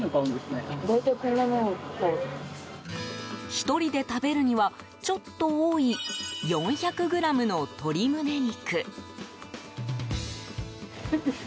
１人で食べるにはちょっと多い４００ｇの鶏胸肉。